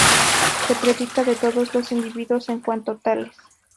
Se predica de todos los individuos en cuanto tales.